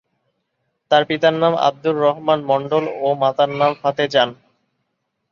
তার পিতার নাম আব্দুর রহমান মন্ডল ও মাতার নাম ফাতেজান।